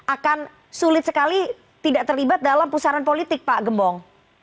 akan sulit sekali tidak terlibat dalam pusaran politik pak gembong